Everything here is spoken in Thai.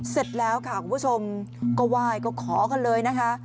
เสร็จแล้วค่ะคุณผู้ชมก็ไหว้ก็ขอกันเลยนะคะ